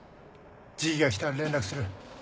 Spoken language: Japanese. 時機がきたら連絡する。